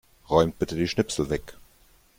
Räumt bitte die Schnipsel weg.